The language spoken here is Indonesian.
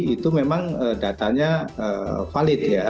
itu memang datanya valid ya